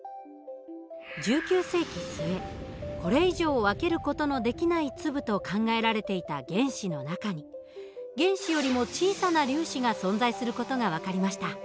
１９世紀末これ以上分ける事のできない粒と考えられていた原子の中に原子よりも小さな粒子が存在する事が分かりました。